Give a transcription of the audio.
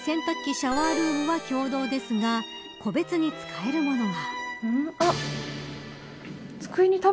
シャワールームは共同ですが個別に使えるものが。